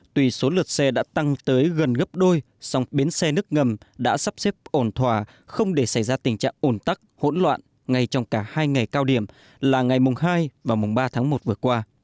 tuy số lượt xe đã tăng tới gần gấp đôi song bến xe nước ngầm đã sắp xếp ổn thòa không để xảy ra tình trạng ổn tắc hỗn loạn ngay trong cả hai ngày cao điểm là ngày mùng hai và mùng ba tháng một vừa qua